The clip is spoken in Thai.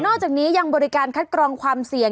อกจากนี้ยังบริการคัดกรองความเสี่ยง